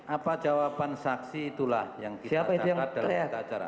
apa jawaban saksi itulah yang kita tangkap dalam acara